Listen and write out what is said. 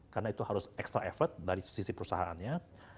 karena itu harus extra effort dari sisi perusahaannya